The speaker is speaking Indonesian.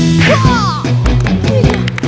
udah udah percaya sama caranya dut dut